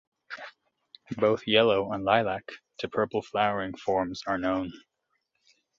Both yellow and lilac to purple flowering forms are known.